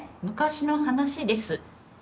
昔の話です。